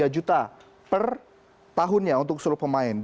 satu ratus sembilan tiga juta per tahunnya untuk seluruh pemain